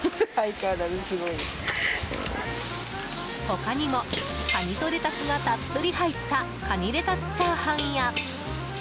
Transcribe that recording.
他にもカニとレタスがたっぷり入ったカニレタスチャーハンや。